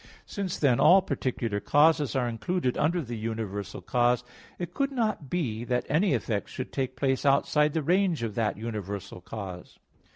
Since then, all particular causes are included under the universal cause, it could not be that any effect should take place outside the range of that universal cause.